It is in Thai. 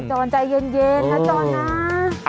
จอนใจเย็นนะจอนนะ